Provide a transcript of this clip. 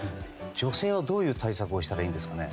女性はどういう対策をしたらいいんですかね。